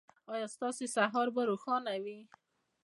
ایا ستاسو سهار به روښانه وي؟